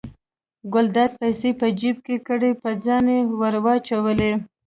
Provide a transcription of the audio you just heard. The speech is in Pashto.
ګلداد پیسې په جب کې کړې په ځان یې ور واچولې.